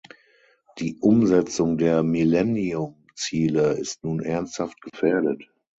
Die Umsetzung der Millennium-Ziele ist nun ernsthaft gefährdet.